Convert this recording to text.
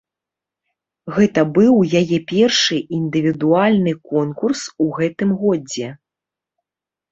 Гэта быў яе першы індывідуальны конкурс у гэтым годзе.